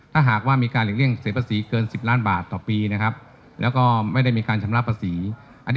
ถ้าหากว่ามีการหยุดเลี่ยงเสียกประสิทธิ์เกิน๑๐ล้านบาทต่อปีนะครับแล้วก็ไม่ได้มีความชำระประสิทธิ์